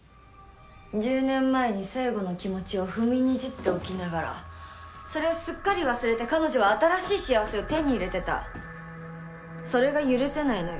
１０年前に成吾の気持ちを踏みにじっておきながらそれをすっかり忘れて彼女は新しい幸せを手に入れてたそれが許せないのよ